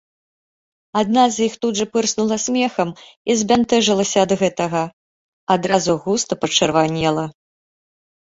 Адна з іх тут жа пырснула смехам і збянтэжылася ад гэтага, адразу густа пачырванела.